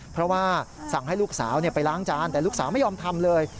เพราะว่าสั่งให้ลูกสาวไปล้างจานแต่ลูกสาวไม่ยอมทำเลย